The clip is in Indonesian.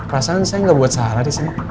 perasaan saya gak buat salah disini